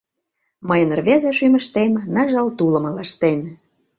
Мыйын рвезе шӱмыштем Ныжыл тулым ылыжтен.